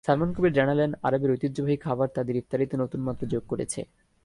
সালমান কবির জানালেন, আরবের ঐতিহ্যবাহী খাবার তাঁদের ইফতারিতে নতুন মাত্রা যোগ করেছে।